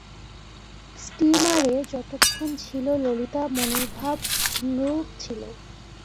স্টীমারে যতক্ষণ ছিল ললিতার মনের ভাব অন্যরূপ ছিল।